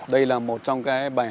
đây là một trong các bài học của tôi